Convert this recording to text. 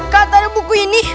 katanya buku ini